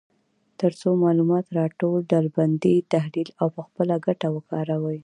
تر څو معلومات راټول، ډلبندي، تحلیل او په خپله ګټه وکاروي.